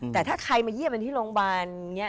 แต่ถ้าใครมาเยี่ยมกันที่โรงพยาบาลอย่างนี้